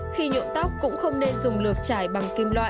khi nhuộm tóc cũng không nên dùng lược trải bằng kim loại